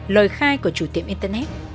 lời khai của chủ tiệm internet